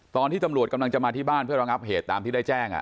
ตอนที่ตำรวจกำลังจะมาที่บ้านเพื่อระงับเหตุตามที่ได้แจ้ง